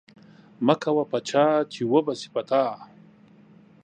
مه کوه په چا چی اوبه شی په تا.